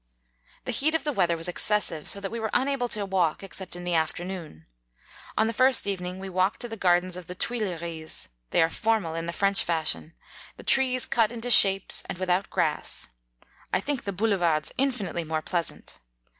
The heat of the weather was exces sive, so that we were unable to walk except in the afternoon. On the first evening we walked to the gardens of the Thuilleries ; they are formal, in the French fashion, the trees cut into shapes, and without grass. I think the Bou levards infinitely more pleasant.